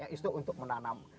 itu untuk menanam